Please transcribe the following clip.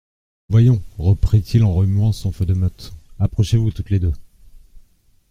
Voyons, reprit-il en remuant son feu de mottes, approchez-vous toutes les deux.